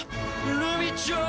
ルミちゃん！